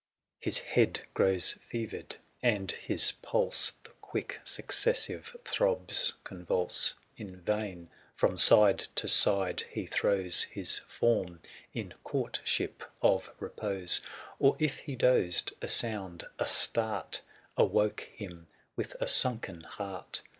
His head grows fevered, and his pulse The quick successive throbs convulse ; In vain from side to side he throw&i^tj ^,^, His form, in courtship of repose ;♦ 290 Or if he dozed, a sound, a start Awoke him with a sunken heart.